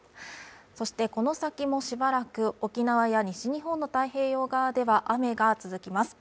そしてこの先もしばらく沖縄や西日本の太平洋側では雨が続きます